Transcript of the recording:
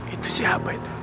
itu siapa itu